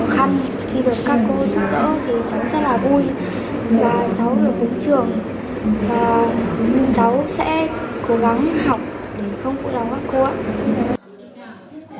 khi được các cô giúp đỡ thì cháu sẽ là vui và cháu được đến trường và cháu sẽ cố gắng học để không vụ đau các cô ạ